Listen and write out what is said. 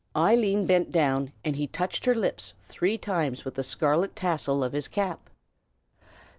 Eileen bent down, and he touched her lips three times with the scarlet tassel of his cap.